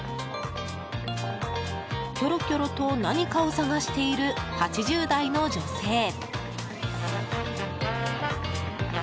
キョロキョロと何かを探している８０代の女性。